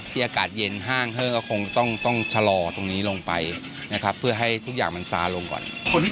อากาศเย็นห้างก็คงต้องชะลอตรงนี้ลงไปนะครับเพื่อให้ทุกอย่างมันซาลงก่อน